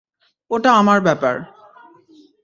ওটা আমার ব্যাপার।